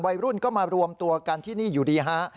วัยรุ่นก็มารวมตัวกันที่นี่อยู่ดีฮะ